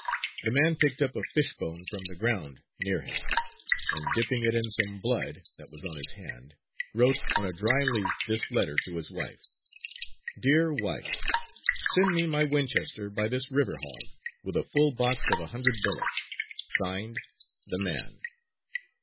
The man picked up a fishbone from the ground near him; and dipping it in some blood that was on his hand wrote on a dry leaf this letter to his wife: "Dear Wife: Send me my Winchester by this river hog, with a full box of a hundred bullets. (Signed) The Man."